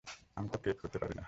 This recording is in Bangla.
আমি তো কেপ পরি না!